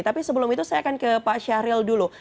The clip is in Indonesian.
tapi sebelum itu saya akan ke pak syahril dulu